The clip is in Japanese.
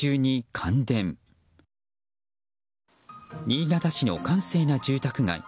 新潟市の閑静な住宅街。